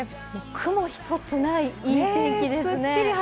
雲一つない、いい天気ですね。